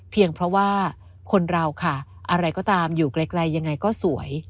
เพราะว่าคนเราค่ะอะไรก็ตามอยู่ไกลยังไงก็สวย